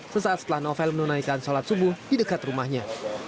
sesaat setelah novel menunaikan sholat subuh di dekat rumahnya